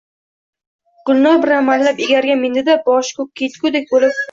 Gulnor bir amallab egarga mindi-da, boshi koʼkka yetgudek boʼlib: